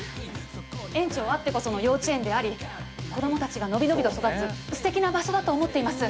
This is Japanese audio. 園長あってこその幼稚園であり子供たちが伸び伸びと育つすてきな場所だと思っています。